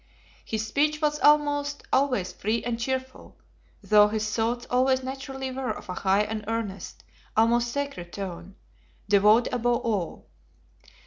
His speech was almost always free and cheerful, though his thoughts always naturally were of a high and earnest, almost sacred tone; devout above all.